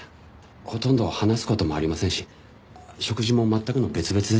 ほとんど話す事もありませんし食事も全くの別々ですから。